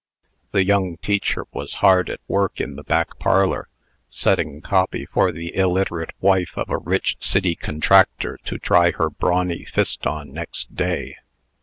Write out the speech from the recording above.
The young teacher was hard at work in the back parlor, setting copy for the illiterate wife of a rich city contractor to try her brawny fist on next day.